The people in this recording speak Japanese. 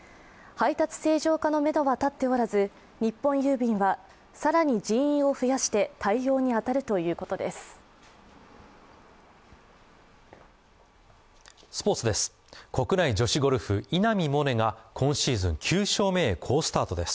配達正常化のめどは立っておらず日本郵便は更に人員を増やして対応に当たるということです。